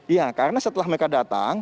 iya karena setelah mereka datang